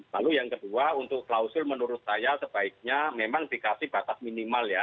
lalu yang kedua untuk klausul menurut saya sebaiknya memang dikasih batas minimal ya